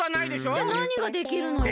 じゃあなにができるのよ？